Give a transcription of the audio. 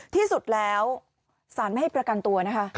ที่สุดแล้วสารไม่ให้ประกันตัวนะคะ